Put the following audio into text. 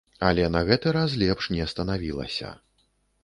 Але на гэты раз лепш не станавілася.